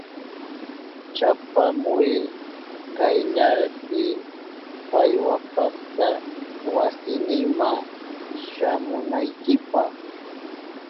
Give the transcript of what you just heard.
Chapamuy kayllapi paywa pakta wasinima shamunaykipa.